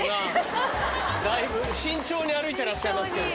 慎重に歩いてらっしゃいますけど。